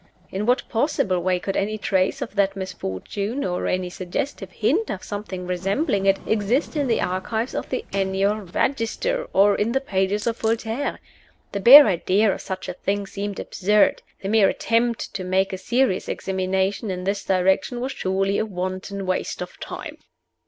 In what possible way could any trace of that misfortune, or any suggestive hint of something resembling it, exist in the archives of the "Annual Register" or in the pages of Voltaire? The bare idea of such a thing seemed absurd The mere attempt to make a serious examination in this direction was surely a wanton waste of time.